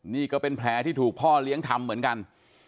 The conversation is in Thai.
นี่ก็เป็นแผลที่ถูกพ่อเลี้ยงทำเหมือนกัน